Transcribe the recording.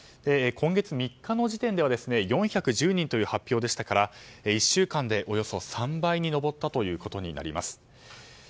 今月３日の時点では４１０人という発表でしたから１週間でおよそ３倍に上ったことになります。